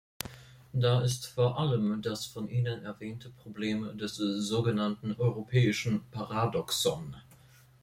Da ist vor allem das von Ihnen erwähnte Problem des sogenannten europäischen Paradoxon.